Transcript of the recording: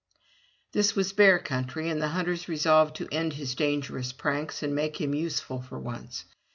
This was Bear country, and the hunters resolved to end his dangerous pranks and make him useful for once.